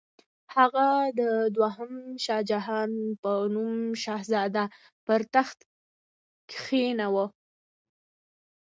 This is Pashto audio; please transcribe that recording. هغه د دوهم شاهجهان په نوم شهزاده پر تخت کښېناوه.